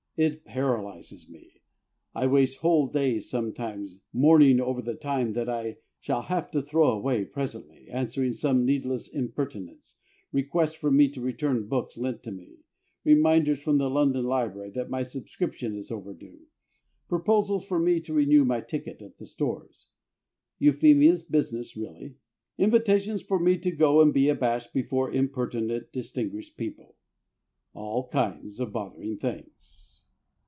It paralyses me. I waste whole days sometimes mourning over the time that I shall have to throw away presently, answering some needless impertinence requests for me to return books lent to me; reminders from the London Library that my subscription is overdue; proposals for me to renew my ticket at the stores Euphemia's business really; invitations for me to go and be abashed before impertinent distinguished people: all kinds of bothering things.